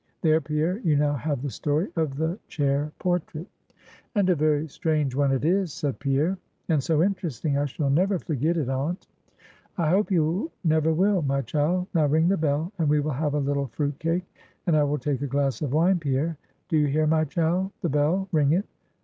There, Pierre, you now have the story of the chair portrait." "And a very strange one it is," said Pierre "and so interesting, I shall never forget it, aunt." "I hope you never will, my child. Now ring the bell, and we will have a little fruit cake, and I will take a glass of wine, Pierre; do you hear, my child? the bell ring it.